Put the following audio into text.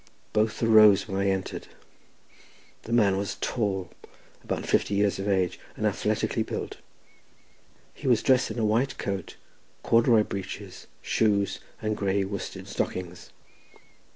Both arose when I entered; the man was tall, about fifty years of age, and athletically built; he was dressed in a white coat, corduroy breeches, shoes, and grey worsted stockings.